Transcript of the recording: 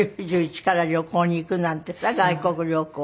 ９１から旅行に行くなんてさ外国旅行。